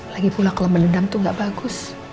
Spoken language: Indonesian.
lagipula kalau menendam itu nggak bagus